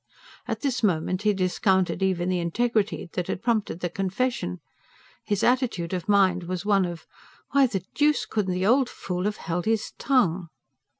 At this moment he discounted even the integrity that had prompted the confession. His attitude of mind was one of: why the deuce couldn't the old fool have held his tongue?